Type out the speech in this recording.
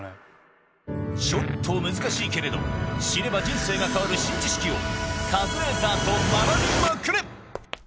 ちょっと難しいけれど知れば人生が変わる新知識をカズレーザーと学びまくる！